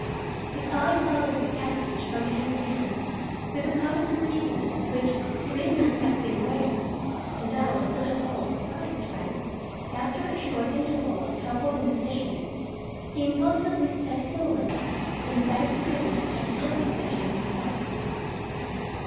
His eye followed its passage from hand to hand with a covetous eagerness of which he may not have been aware, and I was not at all surprised when, after a short interval of troubled indecision, he impulsively stepped forward and begged the privilege of handling the gem himself.